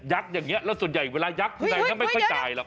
แยคตรงนี้แล้วส่วนใหญ่เวลายักษ์จะไม่ใคร้ตาย